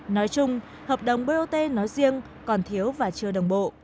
nói chung hợp đồng bot nói riêng còn thiếu và chưa đồng bộ